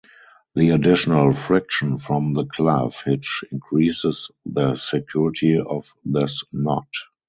The additional friction from the clove hitch increases the security of this knot.